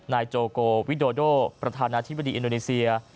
นายโจโกวิโดโดประธานาธิบดีอินโดนีเซีย